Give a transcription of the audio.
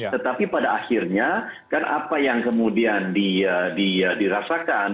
tetapi pada akhirnya kan apa yang kemudian dirasakan